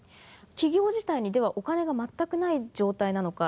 企業自体にではお金が全くない状態なのか。